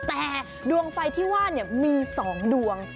แต่ดวงไฟที่ว่ามี๒ดวง